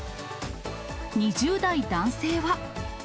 ２０代男性は。